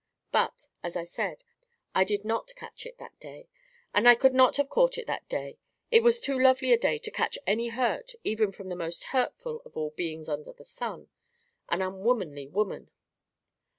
But, as I said, I did not catch it that day; and I could not have caught it that day; it was too lovely a day to catch any hurt even from that most hurtful of all beings under the sun, an unwomanly woman.